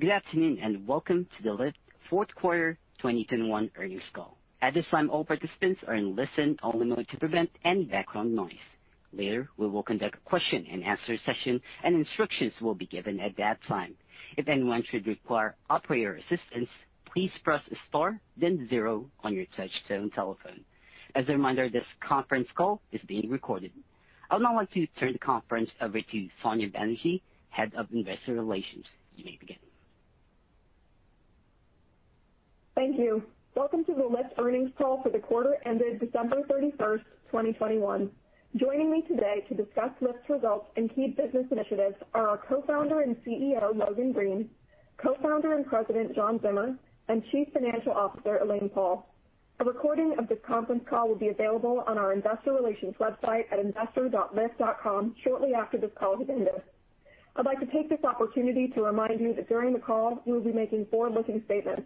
Good afternoon, and welcome to the Lyft fourth quarter 2021 earnings call. At this time, all participants are in listen-only mode to prevent any background noise. Later, we will conduct a question and answer session, and instructions will be given at that time. If anyone should require operator assistance, please press star then zero on your touchtone telephone. As a reminder, this conference call is being recorded. I would now like to turn the conference over to Sonya Banerjee, Head of Investor Relations. You may begin. Thank you. Welcome to the Lyft earnings call for the quarter ended December 31, 2021. Joining me today to discuss Lyft's results and key business initiatives are our co-founder and CEO, Logan Green; co-founder and president, John Zimmer; and Chief Financial Officer, Elaine Paul. A recording of this conference call will be available on our investor relations website at investor.lyft.com shortly after this call has ended. I'd like to take this opportunity to remind you that during the call, we will be making forward-looking statements.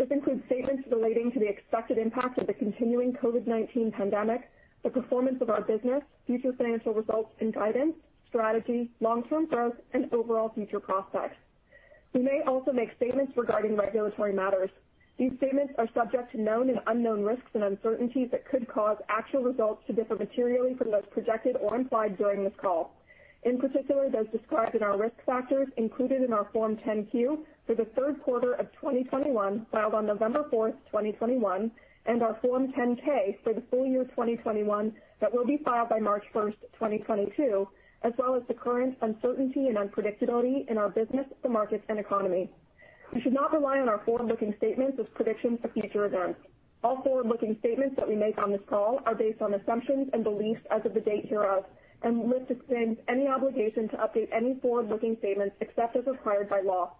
This includes statements relating to the expected impact of the continuing COVID-19 pandemic, the performance of our business, future financial results and guidance, strategy, long-term growth, and overall future prospects. We may also make statements regarding regulatory matters. These statements are subject to known and unknown risks and uncertainties that could cause actual results to differ materially from those projected or implied during this call, in particular, those described in our risk factors included in our Form 10-Q for the third quarter of 2021, filed on November 4, 2021, and our Form 10-K for the full year 2021 that will be filed by March 1, 2022, as well as the current uncertainty and unpredictability in our business, the markets, and economy. You should not rely on our forward-looking statements as predictions for future events. All forward-looking statements that we make on this call are based on assumptions and beliefs as of the date hereof, and Lyft disclaims any obligation to update any forward-looking statements except as required by law.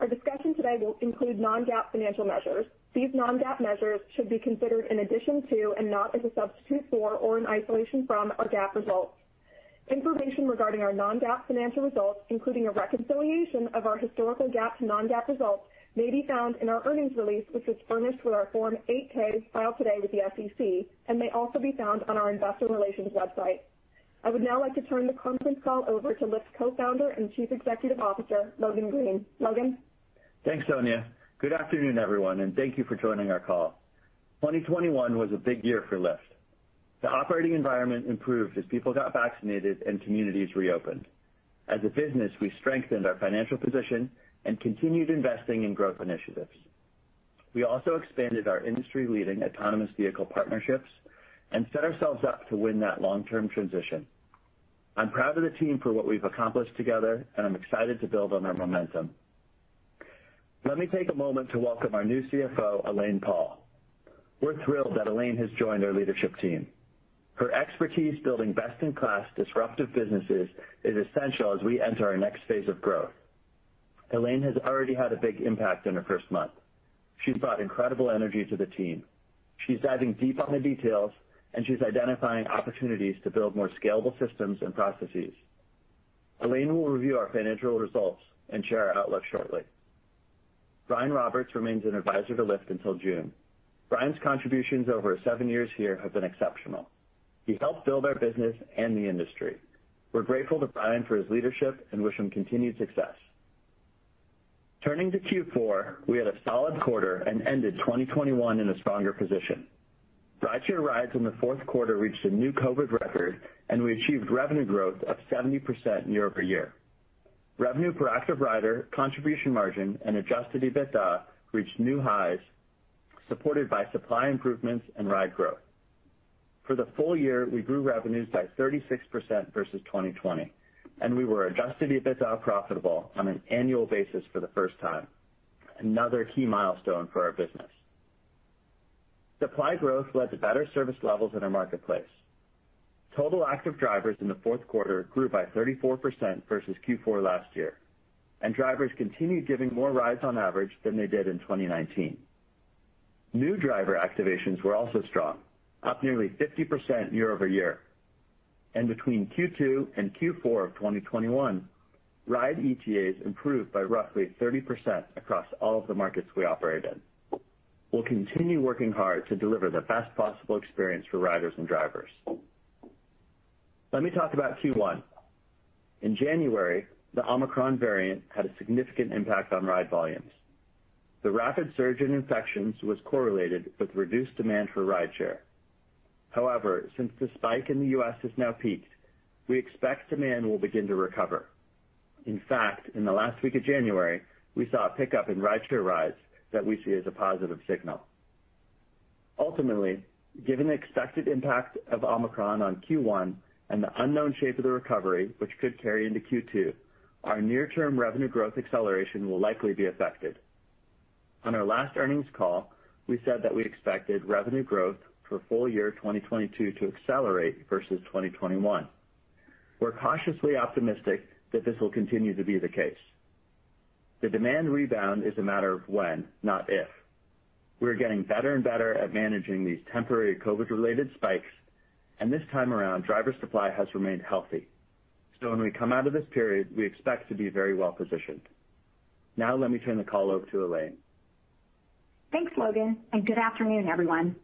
Our discussion today will include non-GAAP financial measures. These non-GAAP measures should be considered in addition to and not as a substitute for or in isolation from our GAAP results. Information regarding our non-GAAP financial results, including a reconciliation of our historical GAAP to non-GAAP results, may be found in our earnings release, which was furnished with our Form 8-K filed today with the SEC and may also be found on our investor relations website. I would now like to turn the conference call over to Lyft's Co-founder and Chief Executive Officer, Logan Green. Logan? Thanks, Sonya. Good afternoon, everyone, and thank you for joining our call. 2021 was a big year for Lyft. The operating environment improved as people got vaccinated and communities reopened. As a business, we strengthened our financial position and continued investing in growth initiatives. We also expanded our industry-leading autonomous vehicle partnerships and set ourselves up to win that long-term transition. I'm proud of the team for what we've accomplished together, and I'm excited to build on our momentum. Let me take a moment to welcome our new CFO, Elaine Paul. We're thrilled that Elaine has joined our leadership team. Her expertise building best-in-class disruptive businesses is essential as we enter our next phase of growth. Elaine has already had a big impact in her first month. She's brought incredible energy to the team. She's diving deep on the details, and she's identifying opportunities to build more scalable systems and processes. Elaine will review our financial results and share our outlook shortly. Brian Roberts remains an advisor to Lyft until June. Brian's contributions over his seven years here have been exceptional. He helped build our business and the industry. We're grateful to Brian for his leadership and wish him continued success. Turning to Q4, we had a solid quarter and ended 2021 in a stronger position. Rideshare rides in the fourth quarter reached a new COVID record, and we achieved revenue growth of 70% year-over-year. Revenue per active rider, contribution margin, and adjusted EBITDA reached new highs, supported by supply improvements and ride growth. For the full year, we grew revenues by 36% versus 2020, and we were adjusted EBITDA profitable on an annual basis for the first time, another key milestone for our business. Supply growth led to better service levels in our marketplace. Total active drivers in the fourth quarter grew by 34% versus Q4 last year, and drivers continued giving more rides on average than they did in 2019. New driver activations were also strong, up nearly 50% year-over-year. Between Q2 and Q4 of 2021, ride ETAs improved by roughly 30% across all of the markets we operate in. We'll continue working hard to deliver the best possible experience for riders and drivers. Let me talk about Q1. In January, the Omicron variant had a significant impact on ride volumes. The rapid surge in infections was correlated with reduced demand for rideshare. However, since the spike in the U.S. has now peaked, we expect demand will begin to recover. In fact, in the last week of January, we saw a pickup in rideshare rides that we see as a positive signal. Ultimately, given the expected impact of Omicron on Q1 and the unknown shape of the recovery, which could carry into Q2, our near-term revenue growth acceleration will likely be affected. On our last earnings call, we said that we expected revenue growth for full year 2022 to accelerate versus 2021. We're cautiously optimistic that this will continue to be the case. The demand rebound is a matter of when, not if. We're getting better and better at managing these temporary COVID-related spikes, and this time around, driver supply has remained healthy. When we come out of this period, we expect to be very well-positioned. Now let me turn the call over to Elaine. Thanks, Logan, and good afternoon, everyone.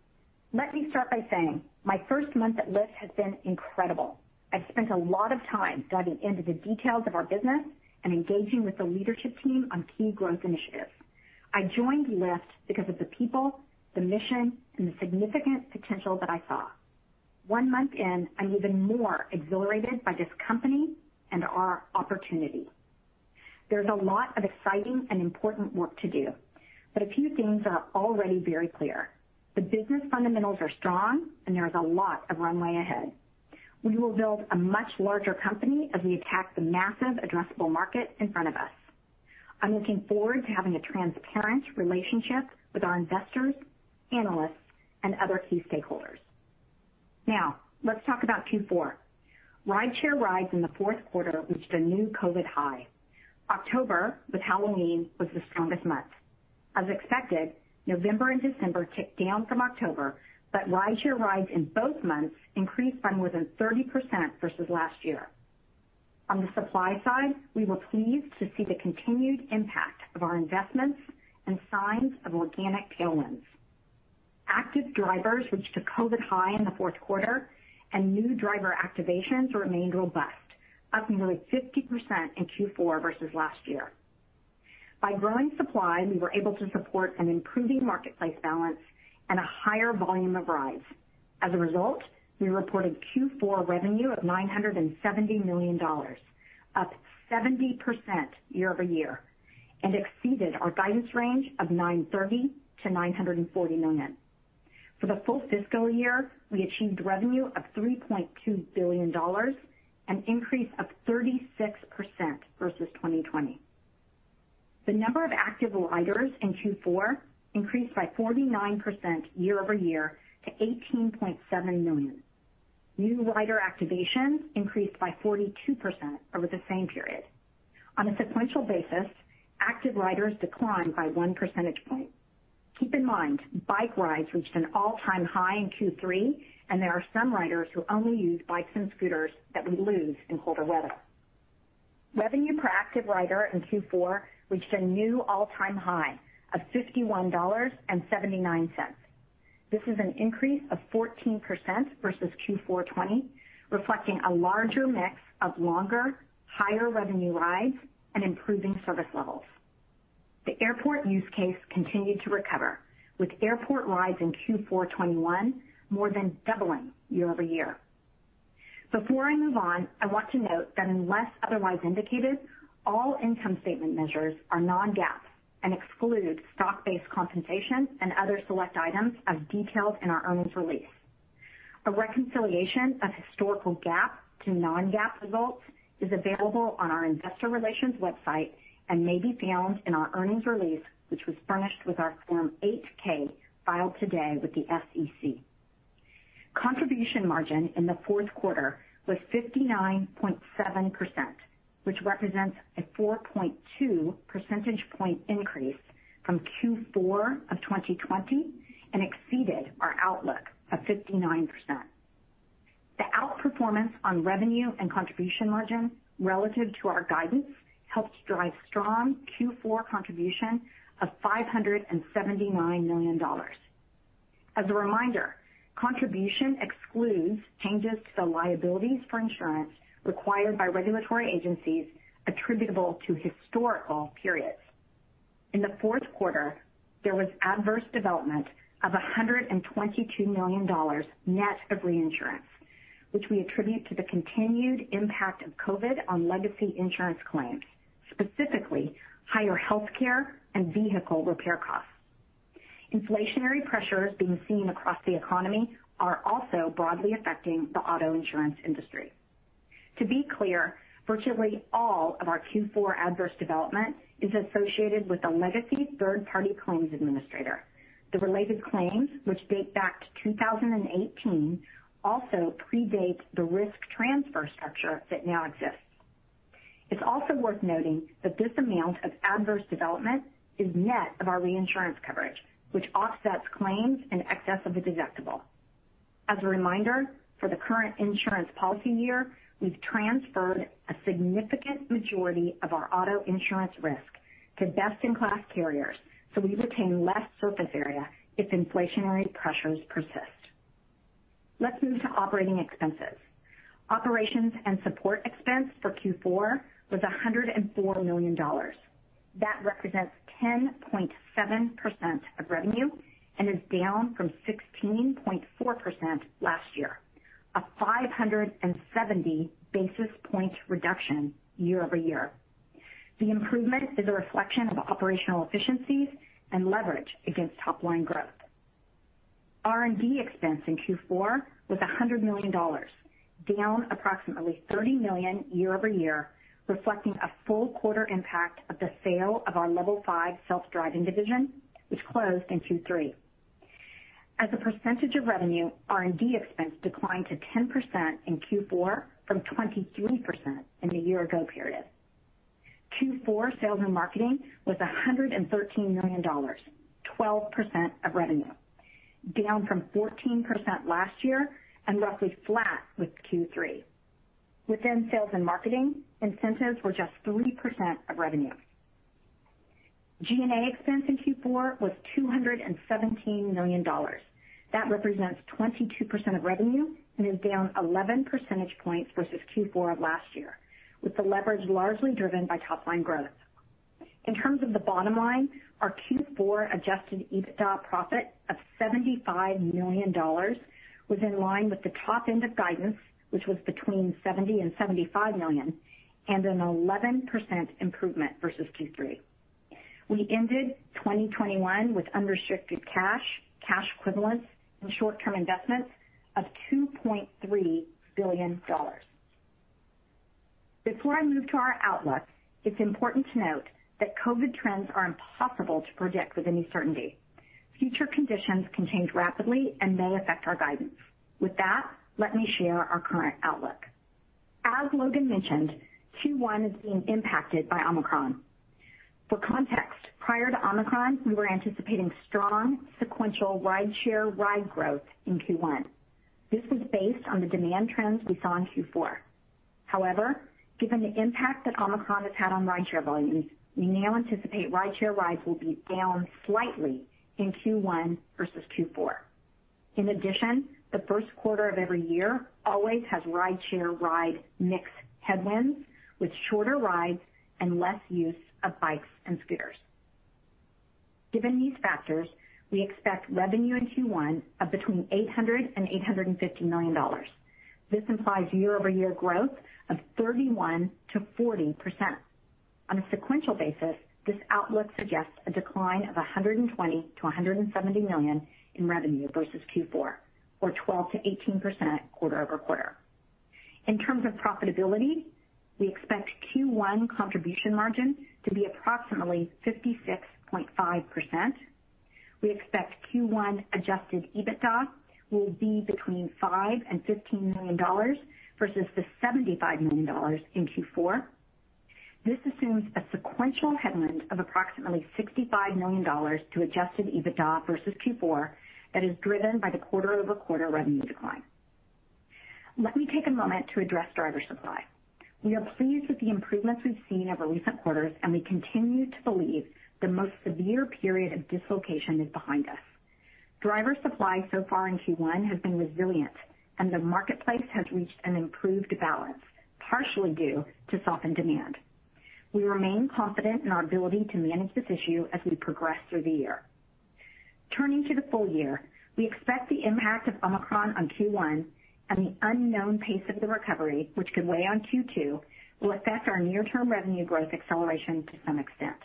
Let me start by saying my first month at Lyft has been incredible. I've spent a lot of time diving into the details of our business and engaging with the leadership team on key growth initiatives. I joined Lyft because of the people, the mission, and the significant potential that I saw. One month in, I'm even more exhilarated by this company and our opportunity. There's a lot of exciting and important work to do, but a few things are already very clear. The business fundamentals are strong, and there is a lot of runway ahead. We will build a much larger company as we attack the massive addressable market in front of us. I'm looking forward to having a transparent relationship with our investors, analysts, and other key stakeholders. Now, let's talk about Q4. Rideshare rides in the fourth quarter reached a new COVID high. October, with Halloween, was the strongest month. As expected, November and December ticked down from October, but rideshare rides in both months increased by more than 30% versus last year. On the supply side, we were pleased to see the continued impact of our investments and signs of organic tailwinds. Active drivers reached a COVID high in the fourth quarter, and new driver activations remained robust, up nearly 50% in Q4 versus last year. By growing supply, we were able to support an improving marketplace balance and a higher volume of rides. As a result, we reported Q4 revenue of $970 million, up 70% year-over-year, and exceeded our guidance range of $930 million-$940 million. For the full fiscal year, we achieved revenue of $3.2 billion, an increase of 36% versus 2020. The number of active riders in Q4 increased by 49% year-over-year to 18.7 million. New rider activations increased by 42% over the same period. On a sequential basis, active riders declined by 1 percentage point. Keep in mind, bike rides reached an all-time high in Q3, and there are some riders who only use bikes and scooters that we lose in colder weather. Revenue per active rider in Q4 reached a new all-time high of $51.79. This is an increase of 14% versus Q4 2020, reflecting a larger mix of longer, higher-revenue rides and improving service levels. The airport use case continued to recover, with airport rides in Q4 2021 more than doubling year-over-year. Before I move on, I want to note that unless otherwise indicated, all income statement measures are non-GAAP and exclude stock-based compensation and other select items as detailed in our earnings release. A reconciliation of historical GAAP to non-GAAP results is available on our investor relations website and may be found in our earnings release, which was furnished with our Form 8-K filed today with the SEC. Contribution margin in the fourth quarter was 59.7%, which represents a 4.2 percentage point increase from Q4 of 2020 and exceeded our outlook of 59%. The outperformance on revenue and contribution margin relative to our guidance helped drive strong Q4 contribution of $579 million. As a reminder, contribution excludes changes to the liabilities for insurance required by regulatory agencies attributable to historical periods. In the fourth quarter, there was adverse development of $122 million net of reinsurance, which we attribute to the continued impact of COVID on legacy insurance claims, specifically higher healthcare and vehicle repair costs. Inflationary pressures being seen across the economy are also broadly affecting the auto insurance industry. To be clear, virtually all of our Q4 adverse development is associated with a legacy third-party claims administrator. The related claims, which date back to 2018, also predate the risk transfer structure that now exists. It's also worth noting that this amount of adverse development is net of our reinsurance coverage, which offsets claims in excess of the deductible. As a reminder, for the current insurance policy year, we've transferred a significant majority of our auto insurance risk to best-in-class carriers, so we retain less surface area if inflationary pressures persist. Let's move to operating expenses. Operations and support expense for Q4 was $104 million. That represents 10.7% of revenue and is down from 16.4% last year, a 570 basis point reduction year-over-year. The improvement is a reflection of operational efficiencies and leverage against top-line growth. R&D expense in Q4 was $100 million, down approximately $30 million year-over-year, reflecting a full quarter impact of the sale of our Level 5 self-driving division, which closed in Q3. As a percentage of revenue, R&D expense declined to 10% in Q4 from 23% in the year ago period. Q4 sales and marketing was $113 million, 12% of revenue, down from 14% last year and roughly flat with Q3. Within sales and marketing, incentives were just 3% of revenue. G&A expense in Q4 was $217 million. That represents 22% of revenue and is down 11 percentage points versus Q4 of last year, with the leverage largely driven by top line growth. In terms of the bottom line, our Q4 adjusted EBITDA profit of $75 million was in line with the top end of guidance, which was between $70 million and $75 million, and an 11% improvement versus Q3. We ended 2021 with unrestricted cash equivalents, and short-term investments of $2.3 billion. Before I move to our outlook, it's important to note that Covid trends are impossible to predict with any certainty. Future conditions can change rapidly and may affect our guidance. With that, let me share our current outlook. As Logan mentioned, Q1 is being impacted by Omicron. For context, prior to Omicron, we were anticipating strong sequential rideshare ride growth in Q1. This was based on the demand trends we saw in Q4. However, given the impact that Omicron has had on rideshare volumes, we now anticipate rideshare rides will be down slightly in Q1 versus Q4. In addition, the first quarter of every year always has rideshare ride mix headwinds, with shorter rides and less use of bikes and scooters. Given these factors, we expect revenue in Q1 of between $800 million and $850 million. This implies year-over-year growth of 31%-40%. On a sequential basis, this outlook suggests a decline of $120-$170 million in revenue versus Q4 or 12%-18% quarter-over-quarter. In terms of profitability, we expect Q1 contribution margin to be approximately 56.5%. We expect Q1 adjusted EBITDA will be between $5 million and $15 million versus the $75 million in Q4. This assumes a sequential headwind of approximately $65 million to adjusted EBITDA versus Q4 that is driven by the quarter-over-quarter revenue decline. Let me take a moment to address driver supply. We are pleased with the improvements we've seen over recent quarters, and we continue to believe the most severe period of dislocation is behind us. Driver supply so far in Q1 has been resilient, and the marketplace has reached an improved balance, partially due to softened demand. We remain confident in our ability to manage this issue as we progress through the year. Turning to the full year, we expect the impact of Omicron on Q1 and the unknown pace of the recovery, which could weigh on Q2, will affect our near-term revenue growth acceleration to some extent.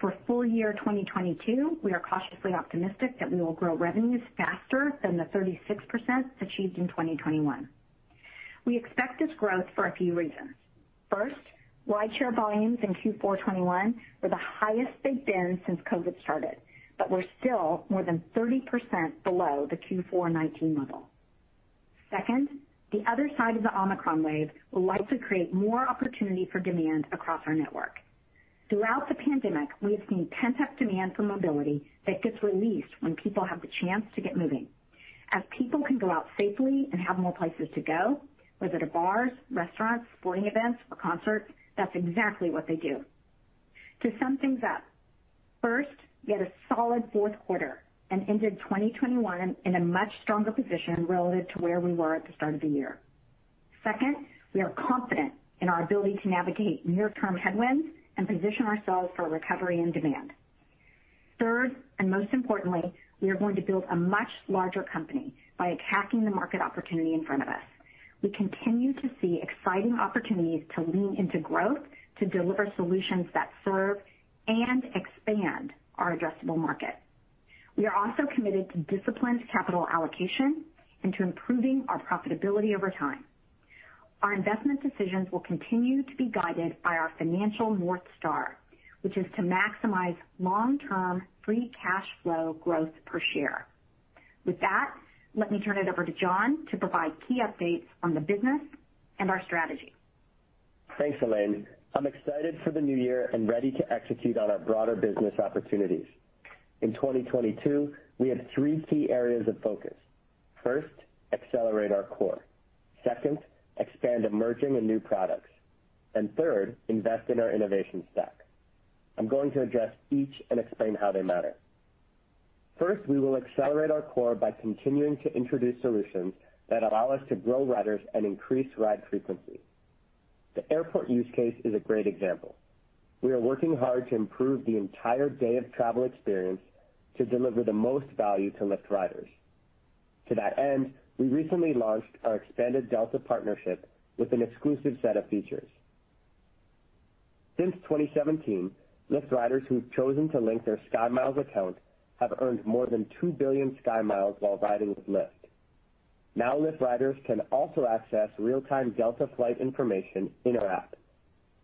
For full year 2022, we are cautiously optimistic that we will grow revenues faster than the 36% achieved in 2021. We expect this growth for a few reasons. First, rideshare volumes in Q4 2021 were the highest they've been since COVID started, but we're still more than 30% below the Q4 2019 level. Second, the other side of the Omicron wave will likely create more opportunity for demand across our network. Throughout the pandemic, we have seen pent-up demand for mobility that gets released when people have the chance to get moving. As people can go out safely and have more places to go, whether to bars, restaurants, sporting events or concerts, that's exactly what they do. To sum things up, first, we had a solid fourth quarter and ended 2021 in a much stronger position relative to where we were at the start of the year. Second, we are confident in our ability to navigate near-term headwinds and position ourselves for a recovery in demand. Third, and most importantly, we are going to build a much larger company by attacking the market opportunity in front of us. We continue to see exciting opportunities to lean into growth to deliver solutions that serve and expand our addressable market. We are also committed to disciplined capital allocation and to improving our profitability over time. Our investment decisions will continue to be guided by our financial North Star, which is to maximize long-term free cash flow growth per share. With that, let me turn it over to John to provide key updates on the business and our strategy. Thanks, Elaine. I'm excited for the new year and ready to execute on our broader business opportunities. In 2022, we have three key areas of focus. First, accelerate our core. Second, expand emerging and new products. Third, invest in our innovation stack. I'm going to address each and explain how they matter. First, we will accelerate our core by continuing to introduce solutions that allow us to grow riders and increase ride frequency. The airport use case is a great example. We are working hard to improve the entire day-of-travel experience to deliver the most value to Lyft riders. To that end, we recently launched our expanded Delta partnership with an exclusive set of features. Since 2017, Lyft riders who've chosen to link their SkyMiles account have earned more than 2 billion SkyMiles while riding with Lyft. Now, Lyft riders can also access real-time Delta flight information in our app.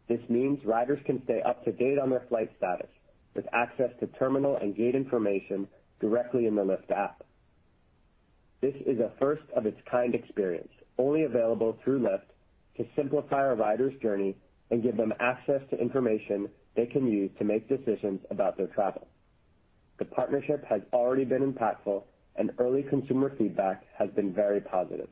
This means riders can stay up to date on their flight status with access to terminal and gate information directly in the Lyft app. This is a first-of-its-kind experience, only available through Lyft, to simplify a rider's journey and give them access to information they can use to make decisions about their travel. The partnership has already been impactful and early consumer feedback has been very positive.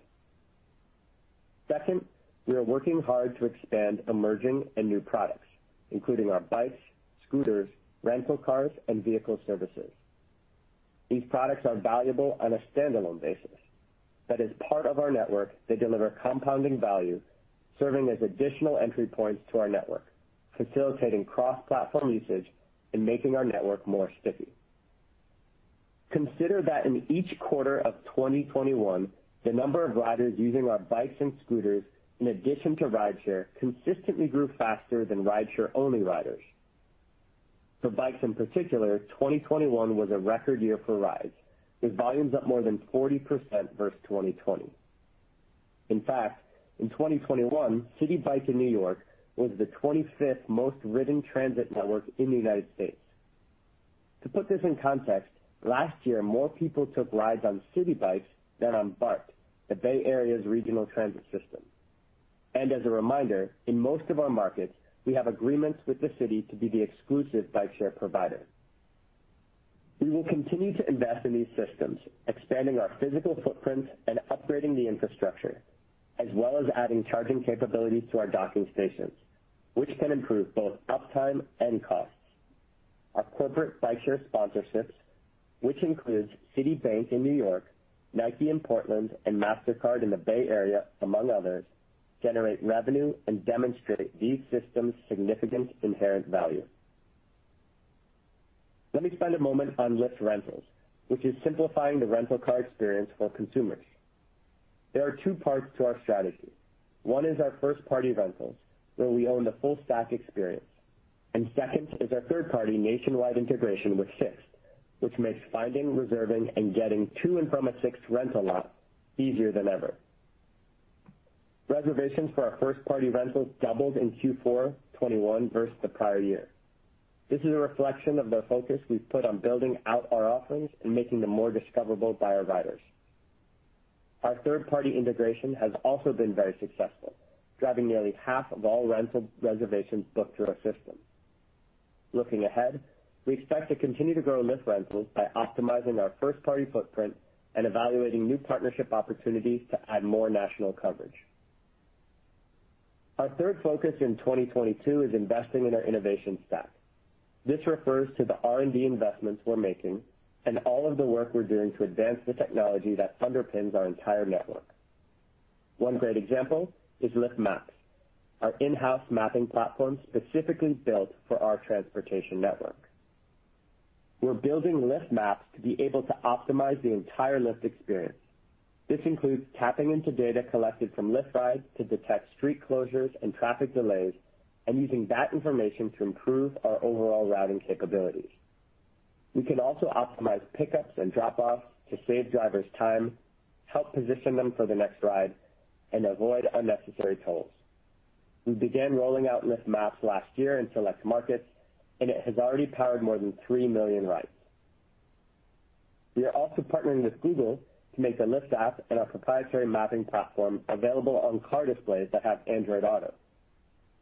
Second, we are working hard to expand emerging and new products, including our bikes, scooters, rental cars, and vehicle services. These products are valuable on a standalone basis, but as part of our network, they deliver compounding value, serving as additional entry points to our network, facilitating cross-platform usage and making our network more sticky. Consider that in each quarter of 2021, the number of riders using our bikes and scooters in addition to rideshare consistently grew faster than rideshare-only riders. For bikes in particular, 2021 was a record year for rides, with volumes up more than 40% versus 2020. In fact, in 2021, Citi Bike in New York was the 25th most ridden transit network in the United States. To put this in context, last year, more people took rides on Citi Bikes than on BART, the Bay Area's regional transit system. As a reminder, in most of our markets, we have agreements with the city to be the exclusive bikeshare provider. We will continue to invest in these systems, expanding our physical footprint and upgrading the infrastructure, as well as adding charging capabilities to our docking stations, which can improve both uptime and costs. Our corporate bikeshare sponsorships, which includes Citi in New York, Nike in Portland, and Mastercard in the Bay Area, among others, generate revenue and demonstrate these systems' significant inherent value. Let me spend a moment on Lyft Rentals, which is simplifying the rental car experience for consumers. There are two parts to our strategy. One is our first-party rentals, where we own the full-stack experience. Second is our third-party nationwide integration with SIXT, which makes finding, reserving, and getting to and from a SIXT rental lot easier than ever. Reservations for our first-party rentals doubled in Q4 2021 versus the prior year. This is a reflection of the focus we've put on building out our offerings and making them more discoverable by our riders. Our third-party integration has also been very successful, driving nearly half of all rental reservations booked through our system. Looking ahead, we expect to continue to grow Lyft Rentals by optimizing our first-party footprint and evaluating new partnership opportunities to add more national coverage. Our third focus in 2022 is investing in our innovation stack. This refers to the R&D investments we're making and all of the work we're doing to advance the technology that underpins our entire network. One great example is Lyft Maps, our in-house mapping platform specifically built for our transportation network. We're building Lyft Maps to be able to optimize the entire Lyft experience. This includes tapping into data collected from Lyft rides to detect street closures and traffic delays and using that information to improve our overall routing capabilities. We can also optimize pickups and drop-offs to save drivers time, help position them for the next ride, and avoid unnecessary tolls. We began rolling out Lyft Maps last year in select markets, and it has already powered more than 3 million rides. We are also partnering with Google to make the Lyft app and our proprietary mapping platform available on car displays that have Android Auto.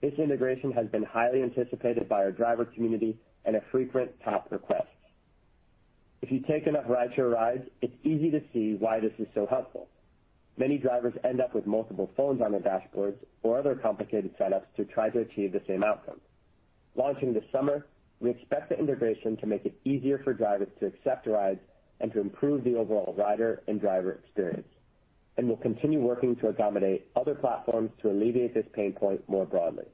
This integration has been highly anticipated by our driver community and a frequent top request. If you take enough rideshare rides, it's easy to see why this is so helpful. Many drivers end up with multiple phones on their dashboards or other complicated setups to try to achieve the same outcome. Launching this summer, we expect the integration to make it easier for drivers to accept a ride and to improve the overall rider and driver experience, and we'll continue working to accommodate other platforms to alleviate this pain point more broadly.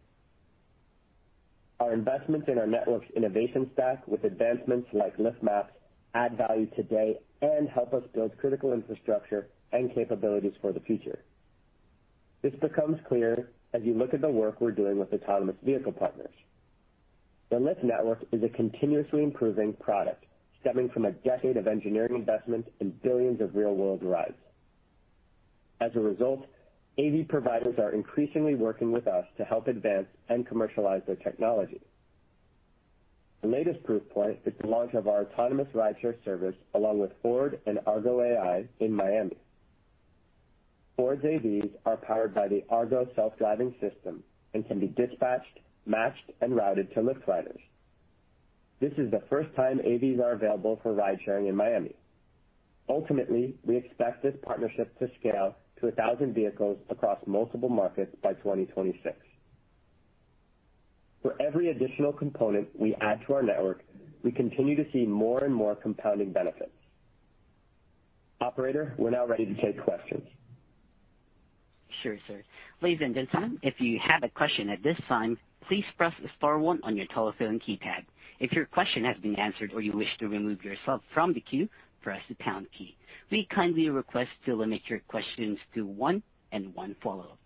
Our investments in our network's innovation stack with advancements like Lyft Maps add value today and help us build critical infrastructure and capabilities for the future. This becomes clear as you look at the work we're doing with autonomous vehicle partners. The Lyft network is a continuously improving product stemming from a decade of engineering investments and billions of real-world rides. As a result, AV providers are increasingly working with us to help advance and commercialize their technology. The latest proof point is the launch of our autonomous rideshare service along with Ford and Argo AI in Miami. Ford's AVs are powered by the Argo self-driving system and can be dispatched, matched, and routed to Lyft riders. This is the first time AVs are available for ride-sharing in Miami. Ultimately, we expect this partnership to scale to 1,000 vehicles across multiple markets by 2026. For every additional component we add to our network, we continue to see more and more compounding benefits. Operator, we're now ready to take questions. Sure, sir. Ladies and gentlemen, if you have a question at this time, please press star one on your telephone keypad. If your question has been answered or you wish to remove yourself from the queue, press the pound key. We kindly request to limit your questions to one and one follow-up.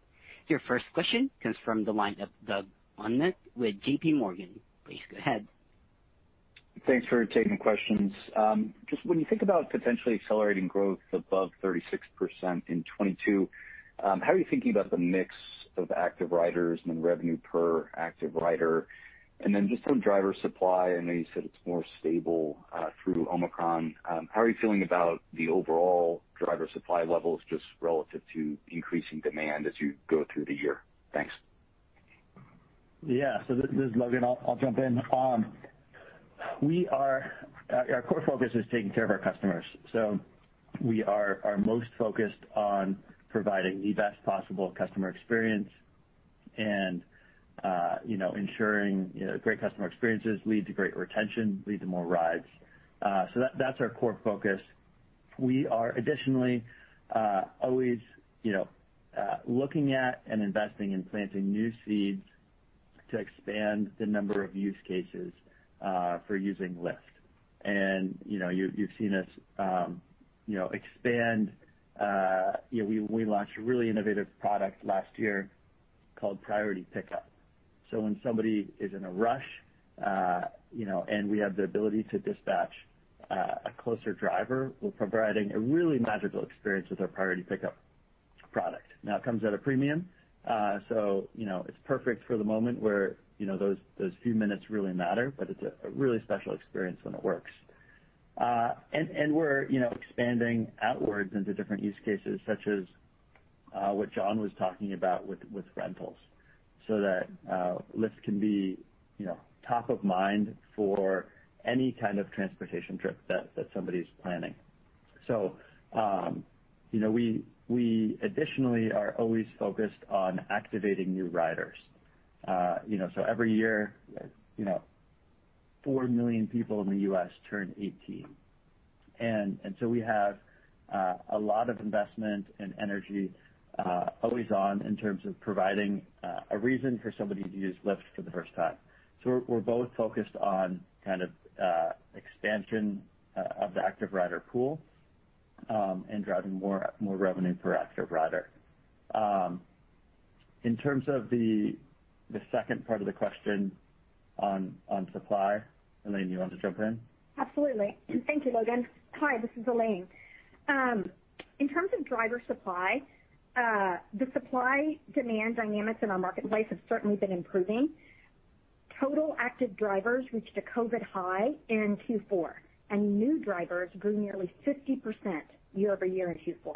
Your first question comes from the line of Doug Anmuth with JP Morgan. Please go ahead. Thanks for taking the questions. Just when you think about potentially accelerating growth above 36% in 2022, how are you thinking about the mix of active riders and then revenue per active rider? Just on driver supply, I know you said it's more stable through Omicron. How are you feeling about the overall driver supply levels just relative to increasing demand as you go through the year? Thanks. Yeah. This is Logan. I'll jump in. Our core focus is taking care of our customers. We are most focused on providing the best possible customer experience and, you know, ensuring, you know, great customer experiences lead to great retention, lead to more rides. That's our core focus. We are additionally always, you know, looking at and investing in planting new seeds to expand the number of use cases for using Lyft. You know, you've seen us, you know, expand. You know, we launched a really innovative product last year called Priority Pickup. When somebody is in a rush, you know, and we have the ability to dispatch a closer driver, we're providing a really magical experience with our Priority Pickup product. Now, it comes at a premium, so you know, it's perfect for the moment where you know, those few minutes really matter, but it's a really special experience when it works. We're you know, expanding outwards into different use cases, such as what John was talking about with rentals, so that Lyft can be you know, top of mind for any kind of transportation trip that somebody's planning. You know, we additionally are always focused on activating new riders. You know, every year you know, 4 million people in the U.S. turn 18. We have a lot of investment and energy always on in terms of providing a reason for somebody to use Lyft for the first time. We're both focused on kind of expansion of the active rider pool and driving more revenue per active rider. In terms of the second part of the question on supply, Elaine, you want to jump in? Absolutely. Thank you, Logan. Hi, this is Elaine. In terms of driver supply, the supply-demand dynamics in our marketplace have certainly been improving. Total active drivers reached a COVID high in Q4, and new drivers grew nearly 50% year-over-year in Q4.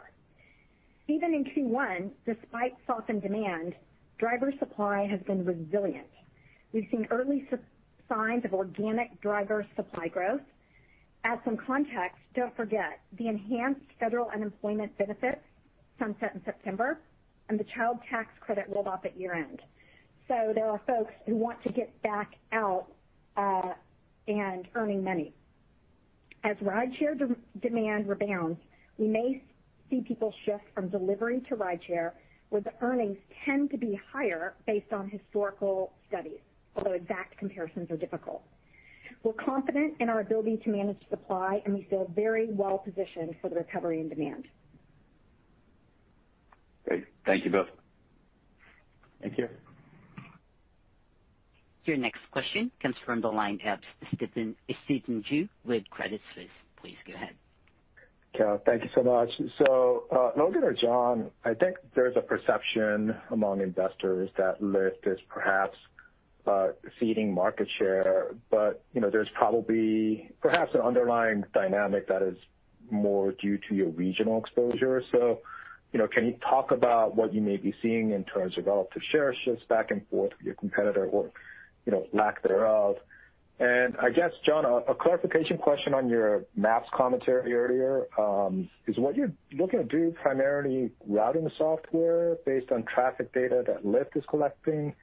Even in Q1, despite softening demand, driver supply has been resilient. We've seen early signs of organic driver supply growth. Add some context, don't forget, the enhanced federal unemployment benefits sunset in September, and the child tax credit rolled off at year-end. There are folks who want to get back out and earning money. As rideshare demand rebounds, we may see people shift from delivery to rideshare, where the earnings tend to be higher based on historical studies, although exact comparisons are difficult. We're confident in our ability to manage supply, and we feel very well-positioned for the recovery and demand. Great. Thank you both. Thank you. Your next question comes from the line of Stephen Ju with Credit Suisse. Please go ahead. Okay. Thank you so much. Logan or John, I think there's a perception among investors that Lyft is perhaps ceding market share, but you know, there's probably perhaps an underlying dynamic that is more due to your regional exposure. You know, can you talk about what you may be seeing in terms of relative share shifts back and forth with your competitor or, you know, lack thereof? I guess, John, a clarification question on your Maps commentary earlier. Is what you're looking to do primarily routing software based on traffic data that Lyft is collecting,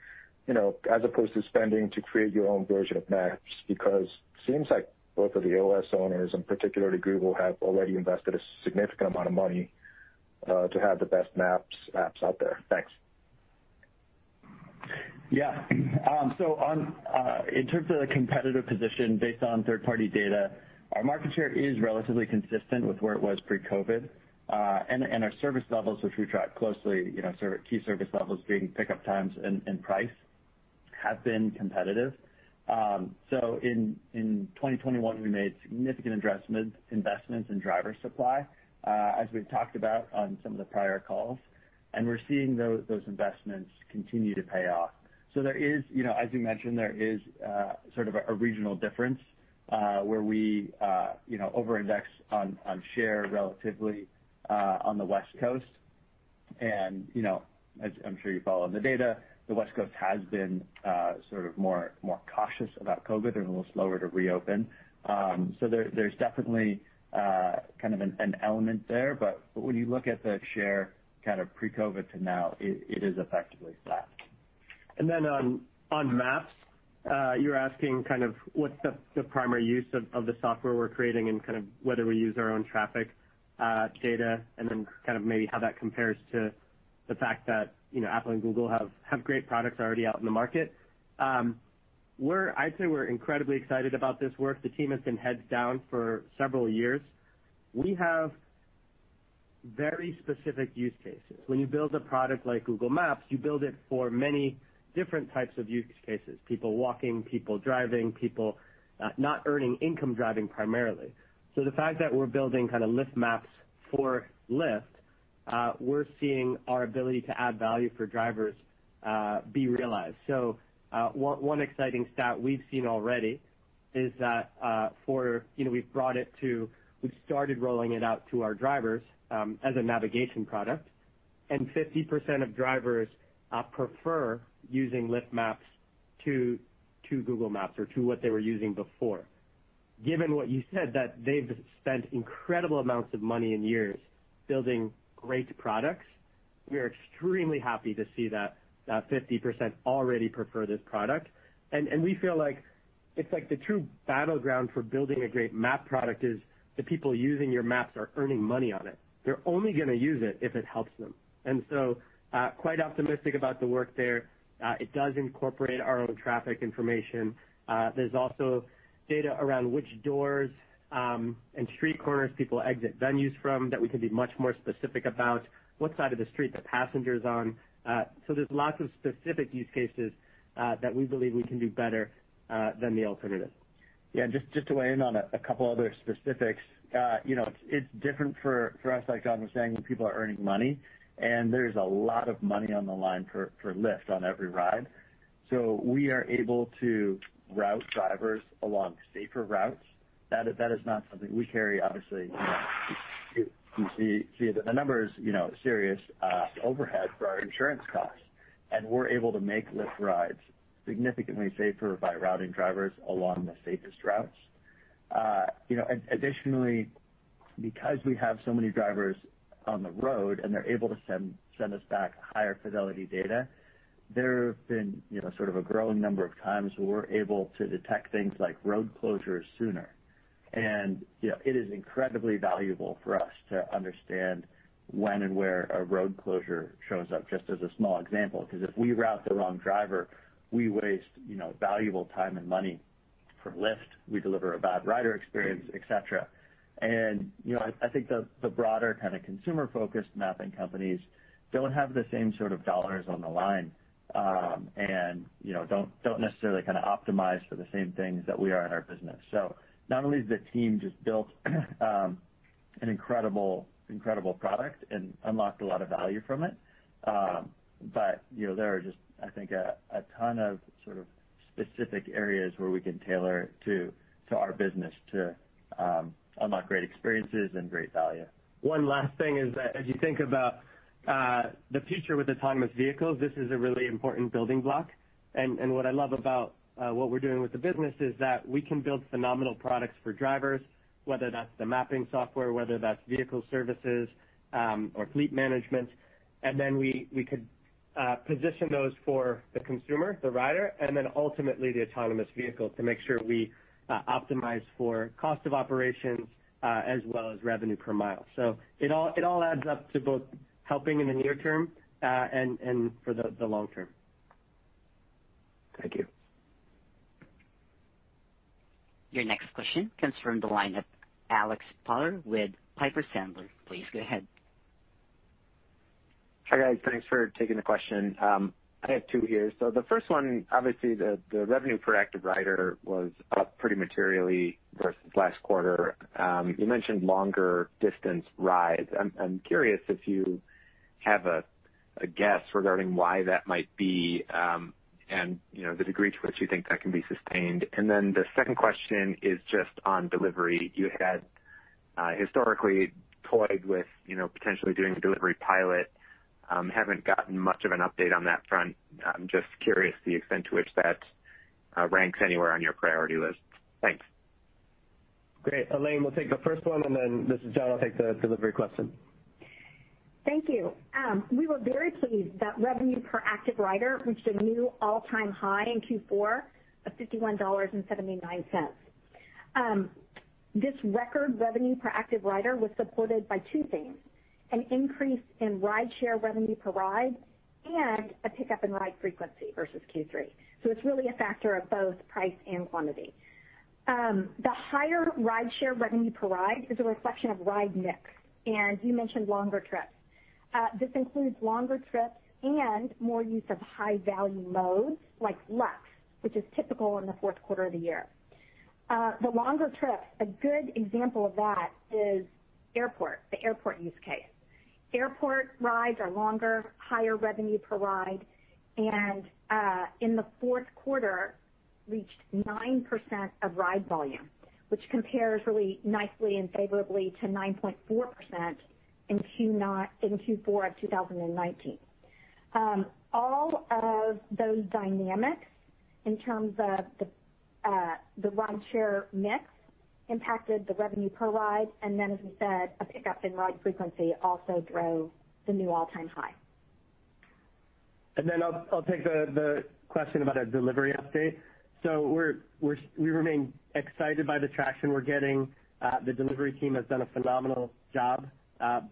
you know, as opposed to spending to create your own version of Maps? Because seems like both of the OS owners, and particularly Google, have already invested a significant amount of money to have the best maps apps out there. Thanks. Yeah. On, in terms of the competitive position based on third-party data, our market share is relatively consistent with where it was pre-COVID. Our service levels, which we track closely, you know, key service levels being pickup times and price, have been competitive. In 2021, we made significant investments in driver supply, as we've talked about on some of the prior calls, and we're seeing those investments continue to pay off. There is, you know, as you mentioned, there is, sort of a regional difference, where we, you know, over-index on share relatively, on the West Coast. You know, as I'm sure you follow the data, the West Coast has been, sort of more cautious about COVID. They're a little slower to reopen. There's definitely kind of an element there. When you look at the share kind of pre-COVID to now, it is effectively flat. On Maps, you're asking kind of what's the primary use of the software we're creating and kind of whether we use our own traffic data, and then kind of maybe how that compares to the fact that, you know, Apple and Google have great products already out in the market. I'd say we're incredibly excited about this work. The team has been heads down for several years. We have very specific use cases. When you build a product like Google Maps, you build it for many different types of use cases, people walking, people driving, people not earning income driving primarily. The fact that we're building kind of Lyft Maps for Lyft, we're seeing our ability to add value for drivers, be realized. One exciting stat we've seen already. We've started rolling it out to our drivers, you know, as a navigation product, and 50% of drivers prefer using Lyft Maps to Google Maps or to what they were using before. Given what you said, that they've spent incredible amounts of money and years building great products, we are extremely happy to see that 50% already prefer this product. We feel like it's the true battleground for building a great map product is the people using your maps are earning money on it. They're only gonna use it if it helps them. Quite optimistic about the work there. It does incorporate our own traffic information. There's also data around which doors and street corners people exit venues from that we can be much more specific about what side of the street the passenger's on. There's lots of specific use cases that we believe we can do better than the alternative. Yeah, just to weigh in on a couple other specifics. You know, it's different for us, like John was saying, when people are earning money, and there's a lot of money on the line for Lyft on every ride, so we are able to route drivers along safer routes. That is not something we carry, obviously, you know. You see the numbers, you know, serious overhead for our insurance costs, and we're able to make Lyft rides significantly safer by routing drivers along the safest routes. You know, additionally, because we have so many drivers on the road, and they're able to send us back higher fidelity data, there have been, you know, sort of a growing number of times where we're able to detect things like road closures sooner. You know, it is incredibly valuable for us to understand when and where a road closure shows up, just as a small example, because if we route the wrong driver, we waste, you know, valuable time and money for Lyft. We deliver a bad rider experience, et cetera. You know, I think the broader kind of consumer-focused mapping companies don't have the same sort of dollars on the line, and you know, don't necessarily kind of optimize for the same things that we are in our business. Not only has the team just built an incredible product and unlocked a lot of value from it, but, you know, there are just, I think, a ton of sort of specific areas where we can tailor it to our business to unlock great experiences and great value. One last thing is that as you think about the future with autonomous vehicles, this is a really important building block. What I love about what we're doing with the business is that we can build phenomenal products for drivers, whether that's the mapping software, whether that's vehicle services, or fleet management. Then we could position those for the consumer, the rider, and then ultimately the autonomous vehicle to make sure we optimize for cost of operations as well as revenue per mile. It all adds up to both helping in the near term and for the long term. Thank you. Your next question comes from the line of Alex Potter with Piper Sandler. Please go ahead. Hi, guys. Thanks for taking the question. I have two here. The first one, obviously, the revenue per active rider was up pretty materially versus last quarter. You mentioned longer distance rides. I'm curious if you have a guess regarding why that might be, and you know, the degree to which you think that can be sustained. Then the second question is just on delivery. You had historically toyed with you know, potentially doing a delivery pilot. Haven't gotten much of an update on that front. I'm just curious the extent to which that ranks anywhere on your priority list. Thanks. Great. Elaine will take the first one, and then this is John. I'll take the delivery question. Thank you. We were very pleased that revenue per active rider reached a new all-time high in Q4 of $51.79. This record revenue per active rider was supported by two things, an increase in rideshare revenue per ride and a pickup in ride frequency versus Q3. It's really a factor of both price and quantity. The higher rideshare revenue per ride is a reflection of ride mix. You mentioned longer trips. This includes longer trips and more use of high-value modes like Lux, which is typical in the fourth quarter of the year. The longer trips, a good example of that is airport, the airport use case. Airport rides are longer, higher revenue per ride, and in the fourth quarter, reached 9% of ride volume, which compares really nicely and favorably to 9.4% in Q4 of 2019. All of those dynamics in terms of the rideshare mix impacted the revenue per ride, and then, as we said, a pickup in ride frequency also drove the new all-time high. I'll take the question about a delivery update. We remain excited by the traction we're getting. The delivery team has done a phenomenal job,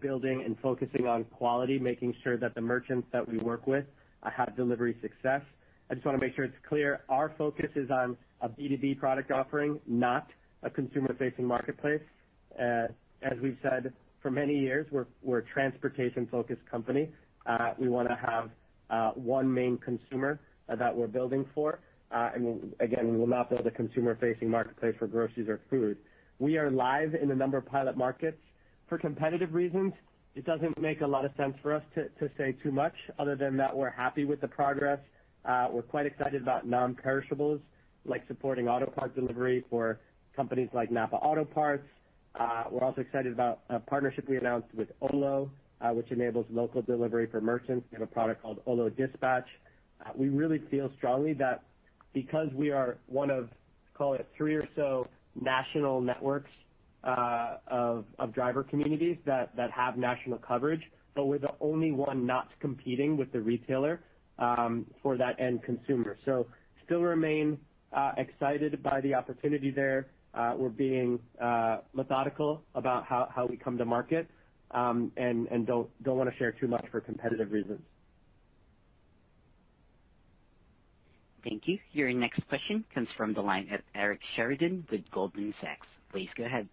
building and focusing on quality, making sure that the merchants that we work with have delivery success. I just want to make sure it's clear our focus is on a B2B product offering, not a consumer-facing marketplace. As we've said, for many years, we're a transportation-focused company. We want to have one main consumer that we're building for. Again, we will not build a consumer-facing marketplace for groceries or food. We are live in a number of pilot markets. For competitive reasons, it doesn't make a lot of sense for us to say too much other than that we're happy with the progress. We're quite excited about non-perishables, like supporting auto parts delivery for companies like NAPA Auto Parts. We're also excited about a partnership we announced with Olo, which enables local delivery for merchants. We have a product called Olo Dispatch. We really feel strongly that because we are one of, call it three or so national networks of driver communities that have national coverage, but we're the only one not competing with the retailer for that end consumer. Still remain excited by the opportunity there. We're being methodical about how we come to market and don't wanna share too much for competitive reasons. Thank you. Your next question comes from the line of Eric Sheridan with Goldman Sachs. Please go ahead.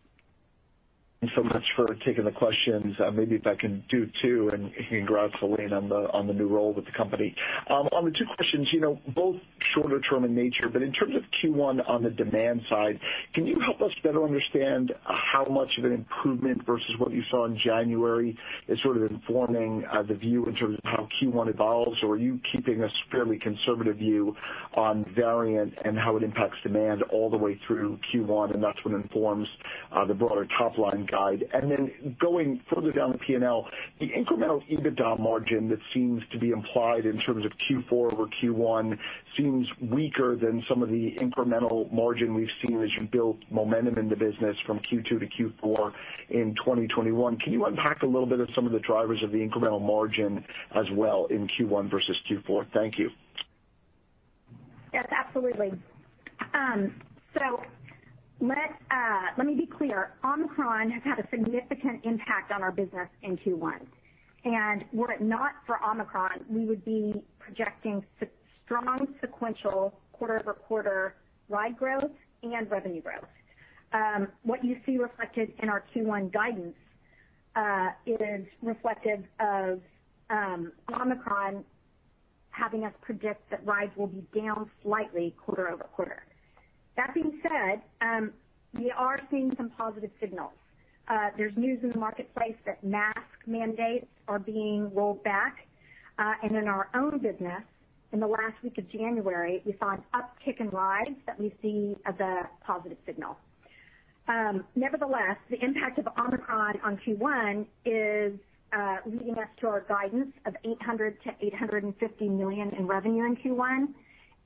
Thanks so much for taking the questions. Maybe if I can do two. Congrats to Elaine on the new role with the company. On the two questions, you know, both shorter term in nature, but in terms of Q1 on the demand side, can you help us better understand how much of an improvement versus what you saw in January is sort of informing the view in terms of how Q1 evolves? Or are you keeping a fairly conservative view on variant and how it impacts demand all the way through Q1, and that's what informs the broader top line guide? Then going further down the P&L, the incremental EBITDA margin that seems to be implied in terms of Q4 over Q1 seems weaker than some of the incremental margin we've seen as you built momentum in the business from Q2 to Q4 in 2021. Can you unpack a little bit of some of the drivers of the incremental margin as well in Q1 versus Q4? Thank you. Yes, absolutely. So let me be clear. Omicron has had a significant impact on our business in Q1. Were it not for Omicron, we would be projecting strong sequential quarter-over-quarter ride growth and revenue growth. What you see reflected in our Q1 guidance is reflective of Omicron having us predict that rides will be down slightly quarter-over-quarter. That being said, we are seeing some positive signals. There's news in the marketplace that mask mandates are being rolled back. In our own business, in the last week of January, we saw an uptick in rides that we see as a positive signal. Nevertheless, the impact of Omicron on Q1 is leading us to our guidance of $800 million-$850 million in revenue in Q1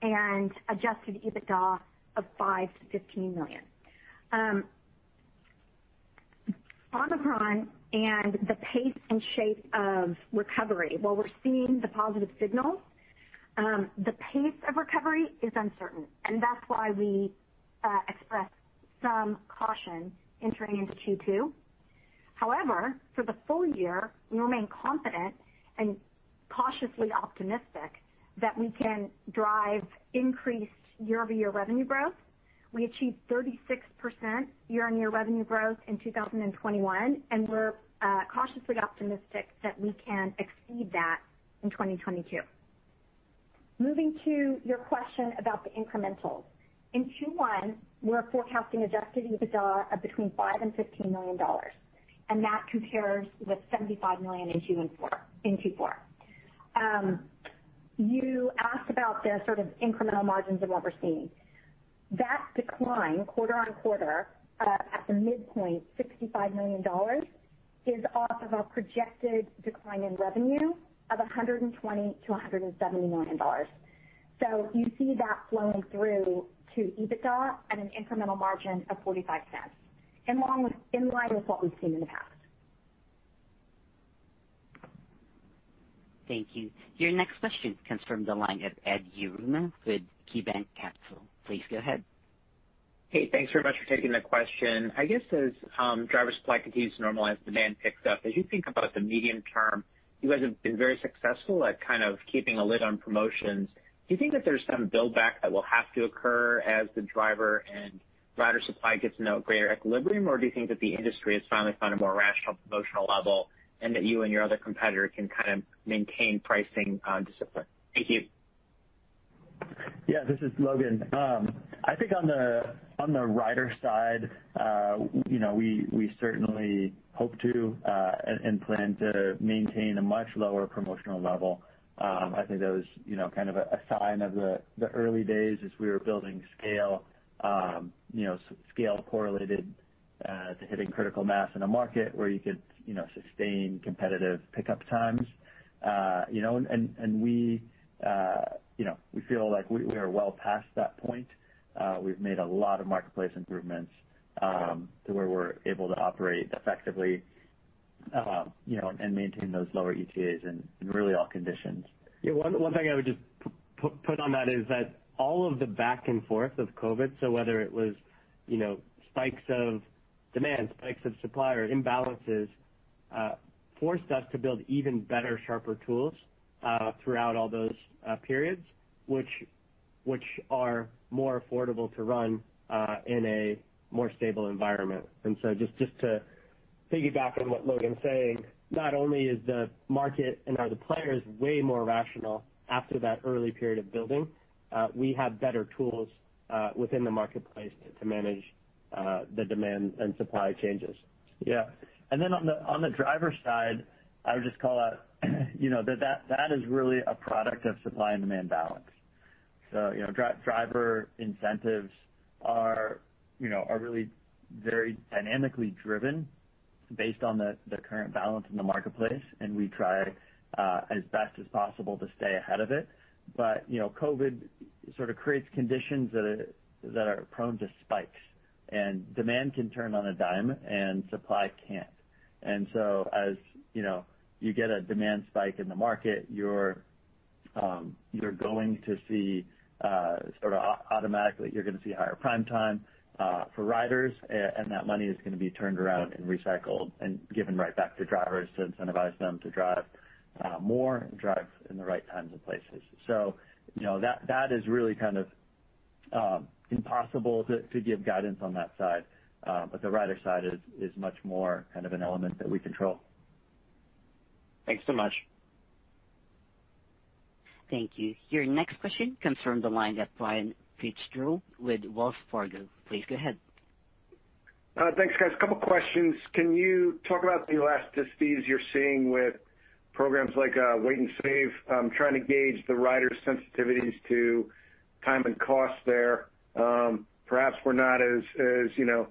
and adjusted EBITDA of $5 million-$15 million. Omicron and the pace and shape of recovery, while we're seeing the positive signals, the pace of recovery is uncertain, and that's why we expressed some caution entering into Q2. However, for the full year, we remain confident and cautiously optimistic that we can drive increased year-over-year revenue growth. We achieved 36% year-over-year revenue growth in 2021, and we're cautiously optimistic that we can exceed that in 2022. Moving to your question about the incrementals. In Q1, we're forecasting adjusted EBITDA of between $5 million and $15 million, and that compares with $75 million in Q4. You asked about the sort of incremental margins of what we're seeing. That decline quarter-over-quarter, at the midpoint, $65 million, is off of a projected decline in revenue of $120 million-$170 million. You see that flowing through to EBITDA at an incremental margin of 45%, and in line with what we've seen in the past. Thank you. Your next question comes from the line of Ed Yruma with KeyBanc Capital. Please go ahead. Hey, thanks very much for taking the question. I guess as driver supply continues to normalize, demand picks up, as you think about the medium term, you guys have been very successful at kind of keeping a lid on promotions. Do you think that there's some build back that will have to occur as the driver and rider supply gets to a greater equilibrium? Or do you think that the industry has finally found a more rational promotional level, and that you and your other competitors can kind of maintain pricing discipline? Thank you. Yeah, this is Logan. I think on the rider side, you know, we certainly hope to and plan to maintain a much lower promotional level. I think that was, you know, kind of a sign of the early days as we were building scale, you know, scale correlated to hitting critical mass in a market where you could, you know, sustain competitive pickup times. You know, and we feel like we are well past that point. We've made a lot of marketplace improvements to where we're able to operate effectively, you know, and maintain those lower ETAs in really all conditions. Yeah. One thing I would just put on that is that all of the back and forth of COVID, so whether it was, you know, spikes of demand, spikes of supplier imbalances, forced us to build even better, sharper tools throughout all those periods, which are more affordable to run in a more stable environment. Just to piggyback on what Logan's saying, not only is the market and are the players way more rational after that early period of building, we have better tools within the marketplace to manage the demand and supply changes. Yeah. On the driver side, I would just call out, you know, that is really a product of supply and demand balance. You know, driver incentives are really very dynamically driven based on the current balance in the marketplace, and we try as best as possible to stay ahead of it. You know, COVID sort of creates conditions that are prone to spikes, and demand can turn on a dime, and supply can't. You know, you get a demand spike in the market, you're going to see sort of automatically higher prime time for riders and that money is gonna be turned around and recycled and given right back to drivers to incentivize them to drive more and drive in the right times and places. You know, that is really kind of impossible to give guidance on that side. The rider side is much more kind of an element that we control. Thanks so much. Thank you. Your next question comes from the line of Brian Fitzgerald with Wells Fargo. Please go ahead. Thanks, guys. A couple questions. Can you talk about the elasticities you're seeing with programs like Wait & Save? I'm trying to gauge the rider sensitivities to time and cost there. Perhaps we're not as you know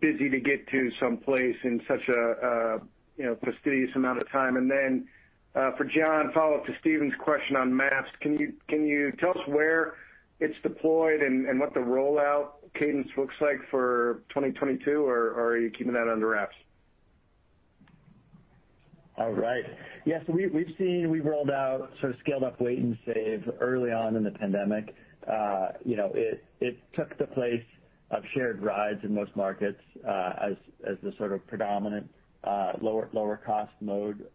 busy to get to some place in such a you know fastidious amount of time. For John, follow-up to Stephen's question on Maps. Can you tell us where it's deployed and what the rollout cadence looks like for 2022, or are you keeping that under wraps? All right. Yes, we've seen. We've rolled out sort of scaled up Wait & Save early on in the pandemic. It took the place of shared rides in most markets, as the sort of predominant lower cost mode.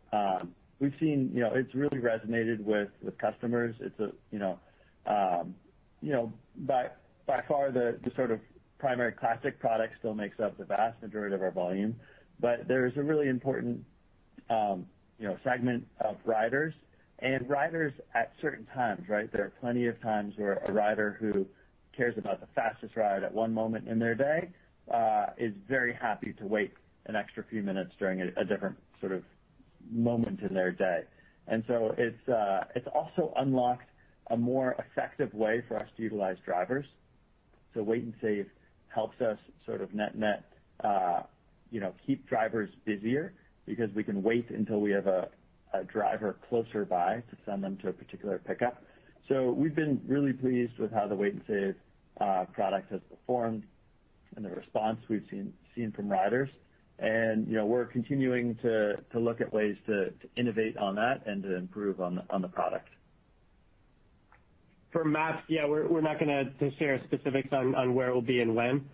We've seen. It's really resonated with customers. It's by far the sort of primary classic product still makes up the vast majority of our volume. But there's a really important fragment of riders at certain times, right? There are plenty of times where a rider who cares about the fastest ride at one moment in their day is very happy to wait an extra few minutes during a different sort of moment in their day. It's also unlocked a more effective way for us to utilize drivers. Wait & Save helps us sort of net-net, you know, keep drivers busier because we can wait until we have a driver closer by to send them to a particular pickup. We've been really pleased with how the Wait & Save product has performed and the response we've seen from riders. You know, we're continuing to look at ways to innovate on that and to improve on the product. For Maps, yeah, we're not gonna share specifics on where it'll be and when.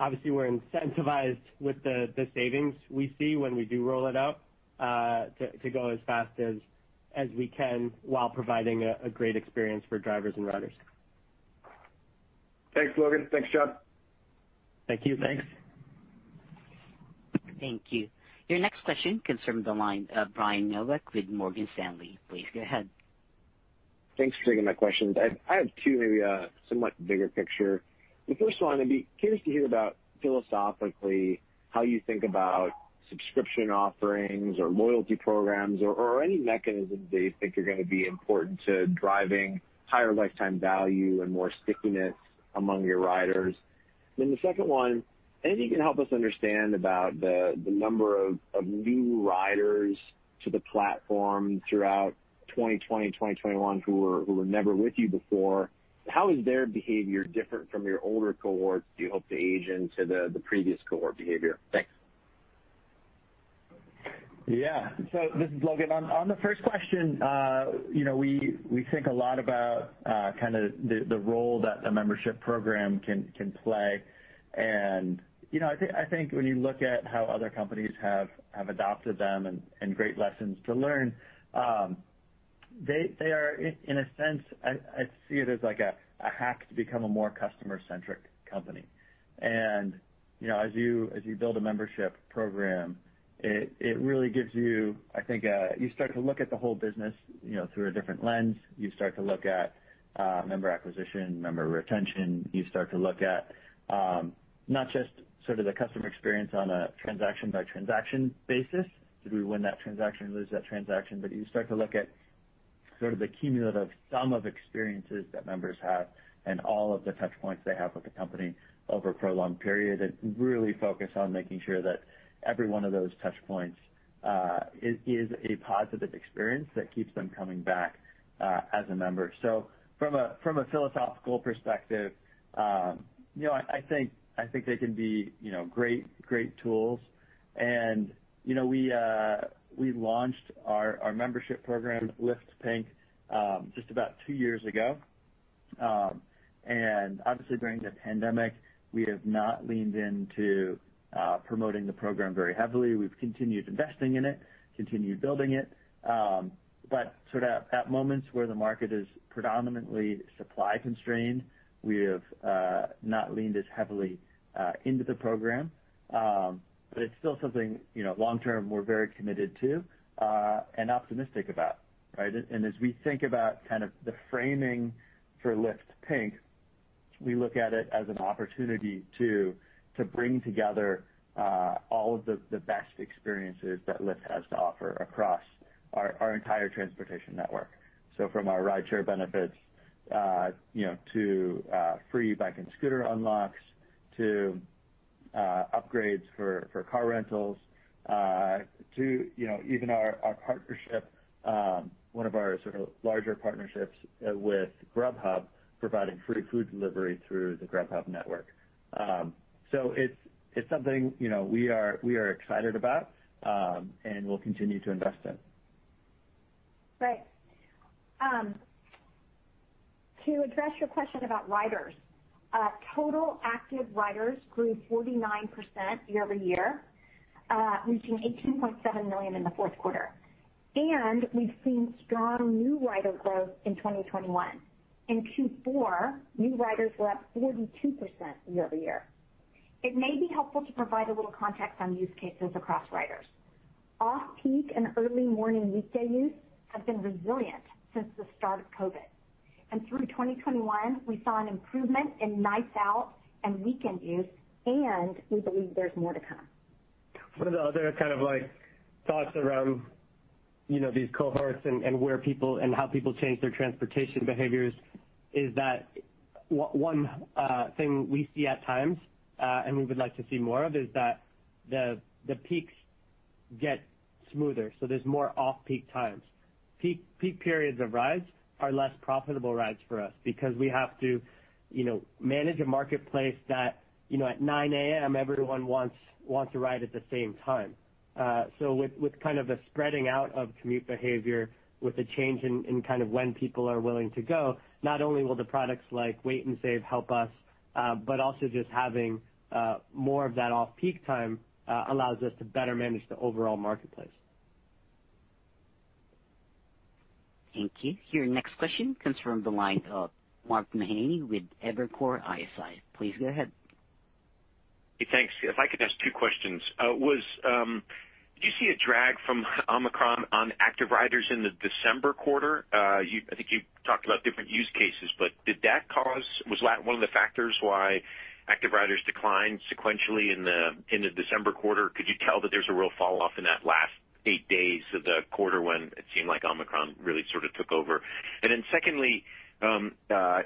Obviously we're incentivized with the savings we see when we do roll it out to go as fast as we can while providing a great experience for drivers and riders. Thanks, Logan. Thanks, John. Thank you. Thanks. Thank you. Your next question comes from the line of Brian Nowak with Morgan Stanley. Please go ahead. Thanks for taking my questions. I have two maybe somewhat bigger picture. The first one, I'd be curious to hear about philosophically how you think about subscription offerings or loyalty programs or any mechanisms that you think are gonna be important to driving higher lifetime value and more stickiness among your riders. The second one, anything you can help us understand about the number of new riders to the platform throughout 2020, 2021 who were never with you before. How is their behavior different from your older cohorts? Do you hope to age into the previous cohort behavior? Thanks. Yeah. This is Logan. On the first question, you know, we think a lot about kinda the role that a membership program can play. You know, I think when you look at how other companies have adopted them and great lessons to learn, they are in a sense, I see it as like a hack to become a more customer-centric company. You know, as you build a membership program, it really gives you, I think. You start to look at the whole business, you know, through a different lens. You start to look at member acquisition, member retention. You start to look at not just sort of the customer experience on a transaction-by-transaction basis. Did we win that transaction, lose that transaction? You start to look at sort of the cumulative sum of experiences that members have and all of the touch points they have with the company over a prolonged period and really focus on making sure that every one of those touchpoints is a positive experience that keeps them coming back as a member. From a philosophical perspective, you know, I think they can be, you know, great tools. You know, we launched our membership program, Lyft Pink, just about two years ago. Obviously during the pandemic, we have not leaned into promoting the program very heavily. We've continued investing in it, continued building it. Sort of at moments where the market is predominantly supply-constrained, we have not leaned as heavily into the program. It's still something, you know, long term we're very committed to and optimistic about, right? As we think about kind of the framing for Lyft Pink. We look at it as an opportunity to bring together all of the best experiences that Lyft has to offer across our entire transportation network. From our rideshare benefits, you know, to free bike and scooter unlocks to upgrades for car rentals, to you know, even our partnership, one of our sort of larger partnerships with Grubhub, providing free food delivery through the Grubhub network. It's something, you know, we are excited about and we'll continue to invest in. Great. To address your question about riders, total active riders grew 49% year-over-year, reaching 18.7 million in the fourth quarter. We've seen strong new rider growth in 2021. In Q4, new riders were up 42% year-over-year. It may be helpful to provide a little context on use cases across riders. Off-peak and early morning weekday use have been resilient since the start of COVID. Through 2021, we saw an improvement in nights out and weekend use, and we believe there's more to come. One of the other kind of like thoughts around, you know, these cohorts and where people and how people change their transportation behaviors is that one thing we see at times and we would like to see more of is that the peaks get smoother, so there's more off-peak times. Peak periods of rides are less profitable rides for us because we have to, you know, manage a marketplace that, you know, at 9:00 A.M. everyone wants to ride at the same time. With kind of a spreading out of commute behavior with a change in kind of when people are willing to go, not only will the products like Wait & Save help us, but also just having more of that off-peak time allows us to better manage the overall marketplace. Thank you. Your next question comes from the line of Mark Mahaney with Evercore ISI. Please go ahead. Hey, thanks. If I could ask two questions. Did you see a drag from Omicron on active riders in the December quarter? I think you talked about different use cases, but was that one of the factors why active riders declined sequentially in the December quarter? Could you tell that there's a real falloff in that last eight days of the quarter when it seemed like Omicron really sort of took over? Secondly,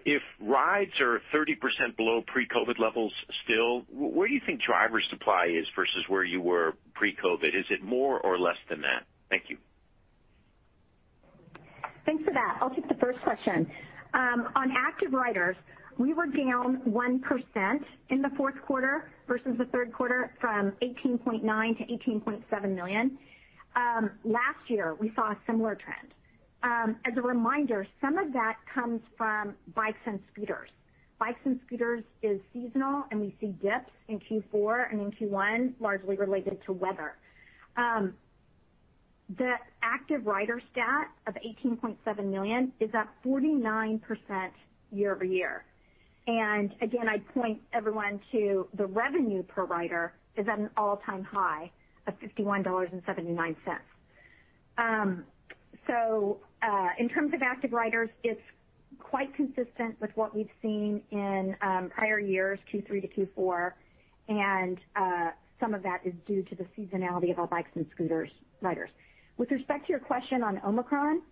if rides are 30% below pre-COVID levels still, where do you think driver supply is versus where you were pre-COVID? Is it more or less than that? Thank you. Thanks for that. I'll take the first question. On active riders, we were down 1% in the fourth quarter versus the third quarter from 18.9-18.7 million. Last year, we saw a similar trend. As a reminder, some of that comes from bikes and scooters. Bikes and scooters is seasonal, and we see dips in Q4 and in Q1, largely related to weather. The active rider stat of 18.7 million is up 49% year-over-year. Again, I'd point everyone to the revenue per rider is at an all-time high of $51.79. In terms of active riders, it's quite consistent with what we've seen in prior years, Q3 to Q4, and some of that is due to the seasonality of our bikes and scooters riders. With respect to your question on Omicron,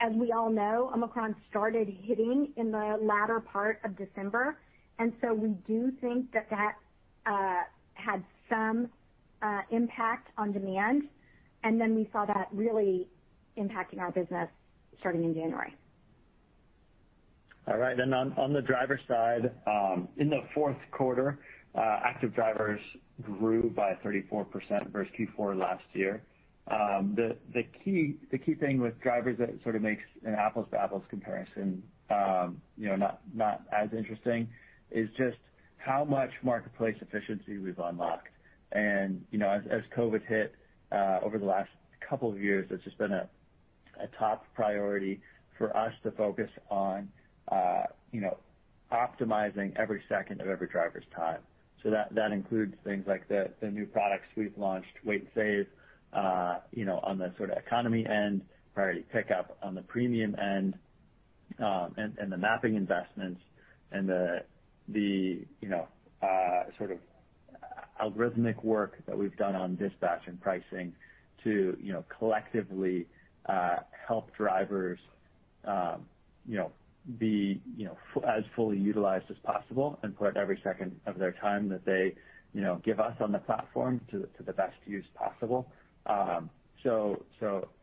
as we all know, Omicron started hitting in the latter part of December, and so we do think that had some impact on demand, and then we saw that really impacting our business starting in January. All right. On the driver side, in the fourth quarter, active drivers grew by 34% versus Q4 last year. The key thing with drivers that sort of makes an apples-to-apples comparison, you know, not as interesting is just how much marketplace efficiency we've unlocked. You know, as COVID hit over the last couple of years, it's just been a top priority for us to focus on, you know, optimizing every second of every driver's time. That includes things like the new products we've launched, Wait & Save, you know, on the sort of economy end, Priority Pickup on the premium end, and the mapping investments and the you know sort of algorithmic work that we've done on dispatch and pricing to, you know, collectively, help drivers, you know, be as fully utilized as possible and put every second of their time that they, you know, give us on the platform to the best use possible.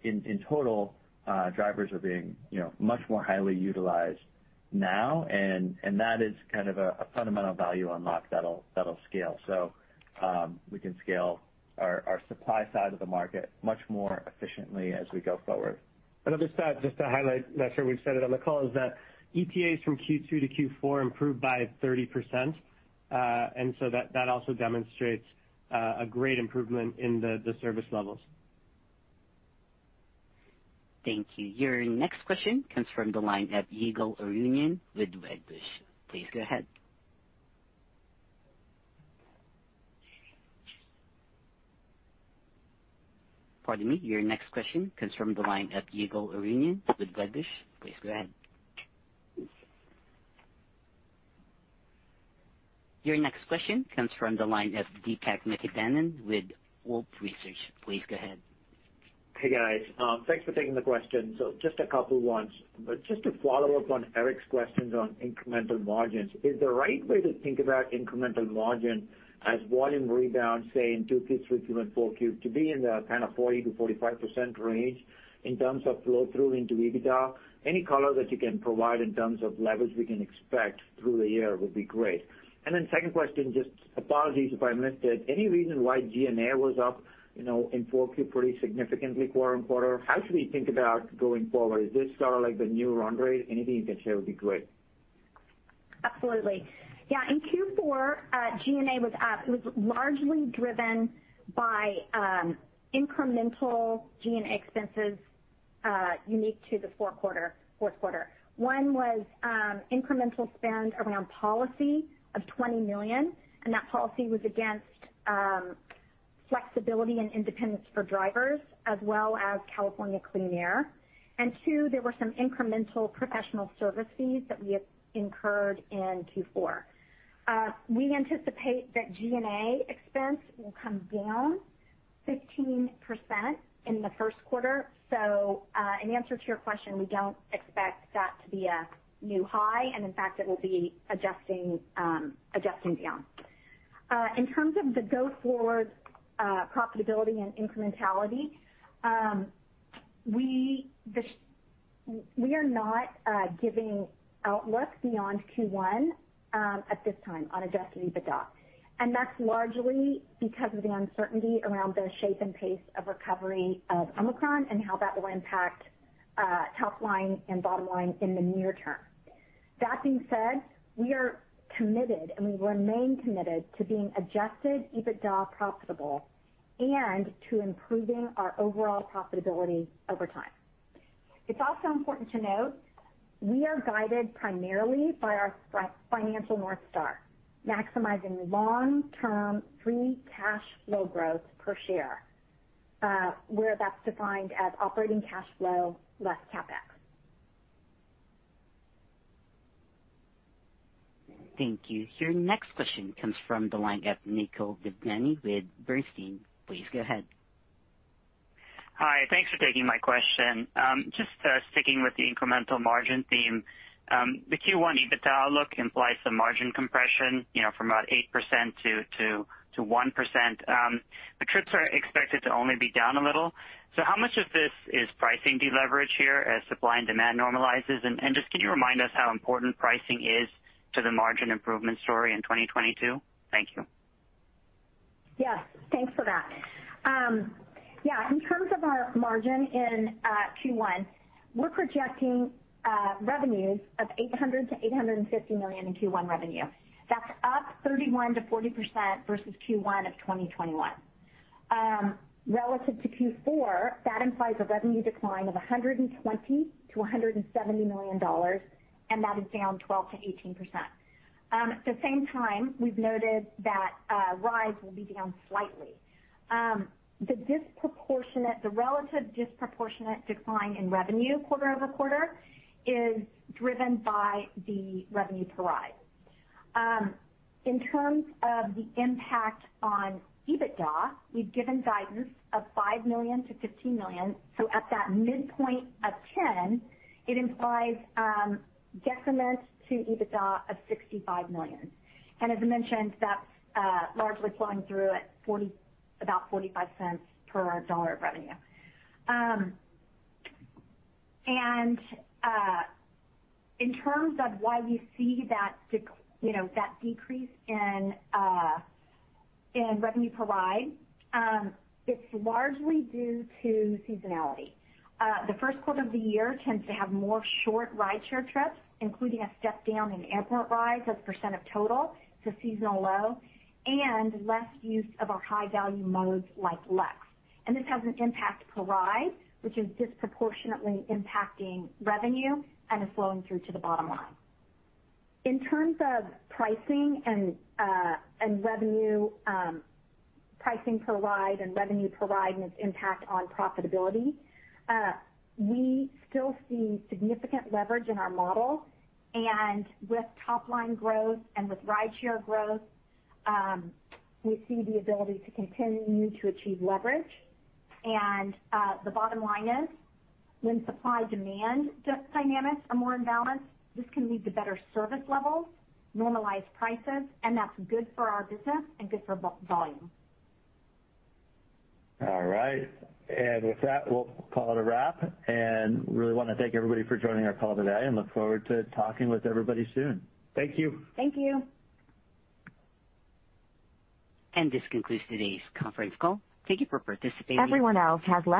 In total, drivers are being, you know, much more highly utilized now, and that is kind of a fundamental value unlock that'll scale. We can scale our supply side of the market much more efficiently as we go forward. I'll just add, just to highlight, not sure we've said it on the call, is that ETAs from Q2 to Q4 improved by 30%. That also demonstrates a great improvement in the service levels. Thank you. Your next question comes from the line of Ygal Arounian with Wedbush. Please go ahead. Pardon me. Your next question comes from the line of Deepak Mathivanan with Wolfe Research. Please go ahead. Hey, guys. Thanks for taking the question. Just a couple ones. Just to follow up on Eric's questions on incremental margins. Is the right way to think about incremental margin as volume rebound, say in 2Q, 3Q, and 4Q to be in the kind of 40%-45% range in terms of flow through into EBITDA? Any color that you can provide in terms of leverage we can expect through the year would be great. Then second question, just apologies if I missed it. Any reason why G&A was up, you know, in 4Q pretty significantly quarter-over-quarter? How should we think about going forward? Is this sort of like the new run rate? Anything you can share would be great. Absolutely. Yeah. In Q4, G&A was up. It was largely driven by incremental G&A expenses unique to the fourth quarter. One was incremental spend around policy of $20 million, and that policy was against flexibility and independence for drivers as well as California clean air. Two, there were some incremental professional service fees that we incurred in Q4. We anticipate that G&A expense will come down 15% in the first quarter. In answer to your question, we don't expect that to be a new high, and in fact, it will be adjusting down. In terms of the go-forward profitability and incrementality, we are not giving outlook beyond Q1 at this time on adjusted EBITDA, and that's largely because of the uncertainty around the shape and pace of recovery of Omicron and how that will impact top line and bottom line in the near term. That being said, we are committed and we remain committed to being adjusted EBITDA profitable and to improving our overall profitability over time. It's also important to note we are guided primarily by our financial North Star, maximizing long-term free cash flow growth per share, where that's defined as operating cash flow less CapEx. Thank you. Your next question comes from the line of Nikhil Devnani with Bernstein. Please go ahead. Hi. Thanks for taking my question. Just sticking with the incremental margin theme, the Q1 EBITDA look implies some margin compression, you know, from about 8% to 1%. The trips are expected to only be down a little. How much of this is pricing deleverage here as supply and demand normalizes? Just can you remind us how important pricing is to the margin improvement story in 2022? Thank you. Yes, thanks for that. Yeah, in terms of our margin in Q1, we're projecting revenues of $800 million-$850 million in Q1 revenue. That's up 31%-40% versus Q1 of 2021. Relative to Q4, that implies a revenue decline of $120 million-$170 million, and that is down 12%-18%. At the same time, we've noted that rides will be down slightly. The relative disproportionate decline in revenue quarter-over-quarter is driven by the revenue per ride. In terms of the impact on EBITDA, we've given guidance of $5 million-$15 million. At that midpoint of 10, it implies decrement to EBITDA of $65 million. As I mentioned, that's largely flowing through at about $0.45 per dollar of revenue. In terms of why we see that you know, that decrease in revenue per ride, it's largely due to seasonality. The first quarter of the year tends to have more short rideshare trips, including a step down in airport rides as percent of total to seasonal low and less use of our high value modes like Lux. This has an impact per ride, which is disproportionately impacting revenue and is flowing through to the bottom line. In terms of pricing and revenue, pricing per ride and revenue per ride and its impact on profitability, we still see significant leverage in our model. With top line growth and with rideshare growth, we see the ability to continue to achieve leverage. The bottom line is, when supply-demand dynamics are more in balance, this can lead to better service levels, normalized prices, and that's good for our business and good for volume. All right. With that, we'll call it a wrap. Really wanna thank everybody for joining our call today and look forward to talking with everybody soon. Thank you. This concludes today's conference call. Thank you for participating. Everyone else has left.